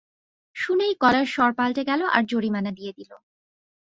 শুনেই গলার স্বর পাল্টে গেল আর জরিমানা দিয়ে দিল।